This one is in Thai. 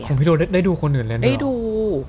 ของพี่โดได้ดูคนอื่นเล่นเหรอได้ดู